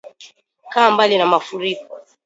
Kaa mbali na Mafuriko